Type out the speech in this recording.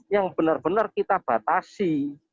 dan kita batasi